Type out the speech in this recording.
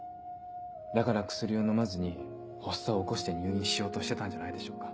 だから薬を飲まずに発作を起こして入院しようとしてたんじゃないでしょうか。